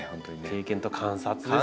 経験と観察ですね。